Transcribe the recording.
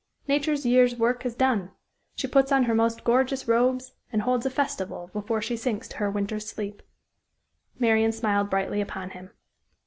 Nature's year's work is done; she puts on her most gorgeous robes, and holds a festival before she sinks to her winter's sleep." Marian smiled brightly upon him.